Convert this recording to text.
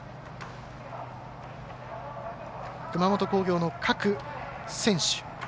熊本工業の各選手。